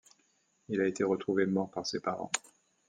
Il a été retrouvé mort par ses parents.